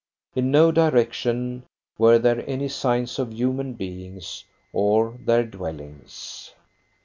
In no direction were there any signs of human beings or their dwellings.